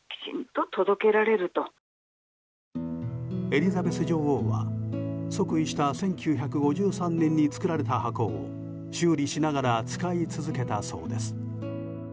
エリザベス女王は即位した１９５３年に作られた箱を修理しながら使い続けたそうです。